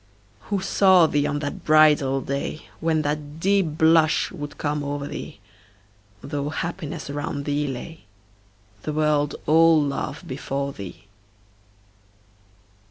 Who saw thee on that bridal day, When that deep blush would come o'er thee, Though happiness around thee lay, The world all love before thee.